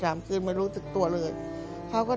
ทำงานชื่อนางหยาดฝนภูมิสุขอายุ๕๔ปี